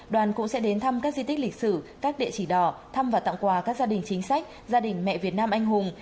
đoàn cũng sẽ đến thăm các di tích lịch sử các địa chỉ đỏ thăm và tặng quà các gia đình chính sách gia đình mẹ việt nam anh hùng